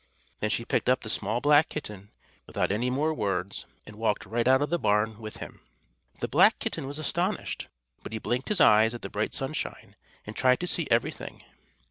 Then she picked up the small black kitten, without any more words, and walked right out of the barn with him. The black kitten was astonished, but he blinked his eyes at the bright sunshine, and tried to see everything.